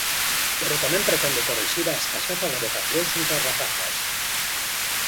Pero tamén pretende corrixir a escaseza de vocacións entre as rapazas.